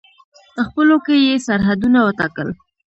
خپلو کې یې سرحدونه وټاکل.